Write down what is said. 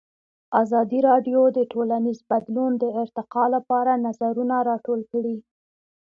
ازادي راډیو د ټولنیز بدلون د ارتقا لپاره نظرونه راټول کړي.